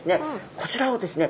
こちらをですね